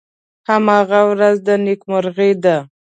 هماغه ورځ د نیکمرغۍ ده .